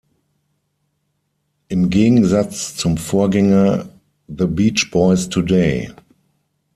Im Gegensatz zum Vorgänger "The Beach Boys Today!